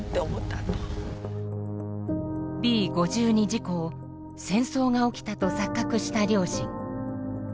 Ｂ５２事故を戦争が起きたと錯覚した両親。